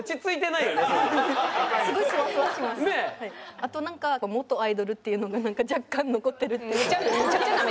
あとなんか元アイドルっていうのがなんか若干残ってるっていうか。